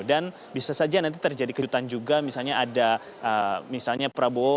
dan bisa saja nanti terjadi kehidupan juga misalnya ada misalnya prabowo subianto